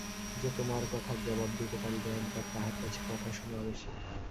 যে তোমার কথার জবাব দিতে পারিবে, একবার তাহার কাছে কথা শোনাও এসে।